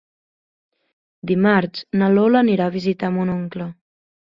Dimarts na Lola anirà a visitar mon oncle.